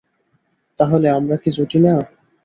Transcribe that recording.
তাহলে, আমরা কি জুটি না?